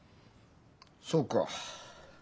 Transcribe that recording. そうか。